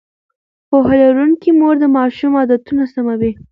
پوهه لرونکې مور د ماشوم عادتونه سموي.